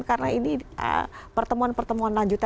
karena ini pertemuan pertemuan lanjutan